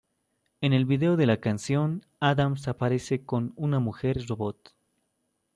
En el vídeo de la canción, Adams aparece con una mujer robot.